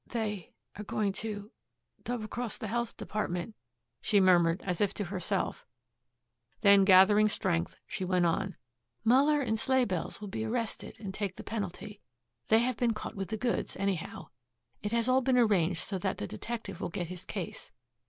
"They are going to double cross the Health Department," she murmured as if to herself, then gathering strength she went on, "Muller and Sleighbells will be arrested and take the penalty. They have been caught with the goods, anyhow. It has all been arranged so that the detective will get his case.